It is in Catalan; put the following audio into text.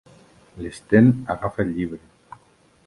L'Sten agafa el llibre.